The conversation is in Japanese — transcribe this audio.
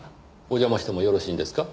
お邪魔してもよろしいんですか？